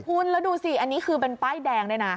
คุณแล้วดูสิอันนี้คือเป็นป้ายแดงด้วยนะ